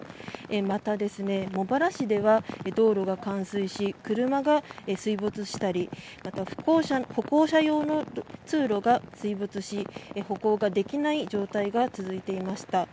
また、茂原市では道路が冠水し車が水没したりまた歩行者用の通路が水没し歩行ができない状態が続いていました。